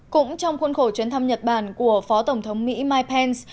cũng trong khuôn khổ chuyến thăm nhật bản của phó tổng thống mỹ mike pence